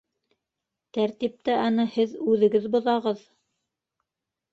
Тәртипте аны һеҙ үҙегеҙ боҙағыҙ!